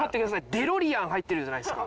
デロリアン入ってるじゃないですか。